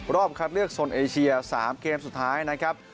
รอบคัดเลือกโซนเอเชีย๓เกมสุดท้ายนะครับ